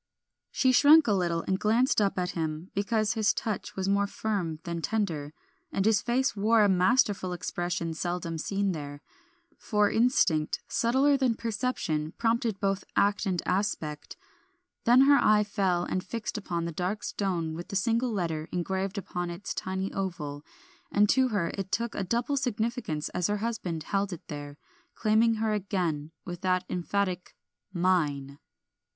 She shrunk a little and glanced up at him, because his touch was more firm than tender, and his face wore a masterful expression seldom seen there; for instinct, subtler than perception, prompted both act and aspect. Then her eye fell and fixed upon the dark stone with the single letter engraved upon its tiny oval, and to her it took a double significance as her husband held it there, claiming her again, with that emphatic "Mine."